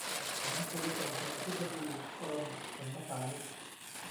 หนังสือส่งถึงอธิบดีกรมสรรพสามิต